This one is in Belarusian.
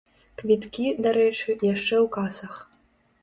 Квіткі, дарэчы, яшчэ ў касах.